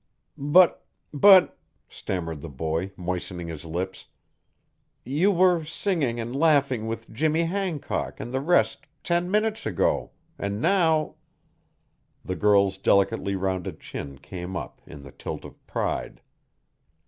"But but " stammered the boy, moistening his lips, "you were singing and laughing with Jimmy Hancock and the rest ten minutes ago, and now " The girl's delicately rounded chin came up in the tilt of pride.